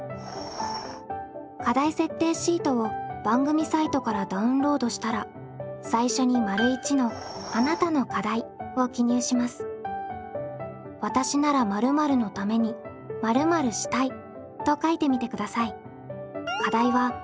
課題設定シートを番組サイトからダウンロードしたら最初に「わたしなら〇〇のために〇〇したい」と書いてみてください。